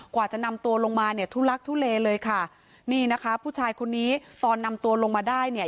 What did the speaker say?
กว่าจะนำตัวลงมาเนี่ยทุลักทุเลเลยค่ะนี่นะคะผู้ชายคนนี้ตอนนำตัวลงมาได้เนี่ย